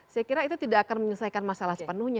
saya kira itu tidak akan menyelesaikan masalah sepenuhnya